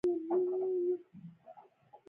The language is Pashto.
خاموشي، د نفس اصلاح ده.